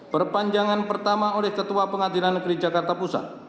perpanjangan pertama oleh ketua pengadilan negeri jakarta pusat